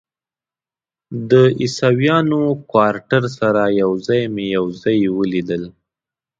د عیسویانو کوارټر سره یو ځای مې یو ځای ولیدل.